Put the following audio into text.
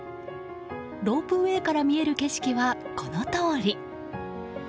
ロープウェーから見える景色はこのとおり。